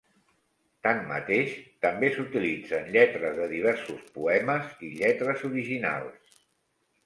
Tanmateix, també s'utilitzen lletres de diversos poemes i lletres originals.